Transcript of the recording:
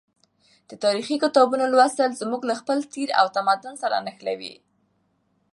د تاریخي کتابونو لوستل موږ له خپل تیر او تمدن سره نښلوي.